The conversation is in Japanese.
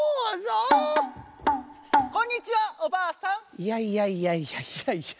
いやいやいやいやいやいや。